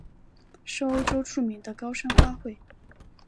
是欧洲著名的高山花卉。